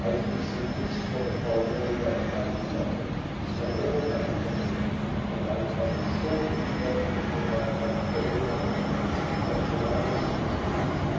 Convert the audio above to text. I will say this for the Colonel, that I do not believe he is at all a hypocrite, and I am sure that he could not act well enough to deceive such a man as this priest."